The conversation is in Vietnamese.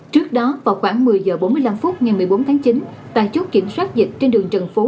trước đó vào khoảng một mươi h bốn mươi năm phút ngày một mươi bốn tháng chín tại chốt kiểm soát dịch trên đường trần phú